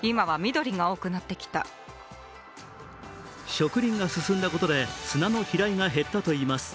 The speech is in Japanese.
植林が進んだことで砂の飛来が減ったといいます。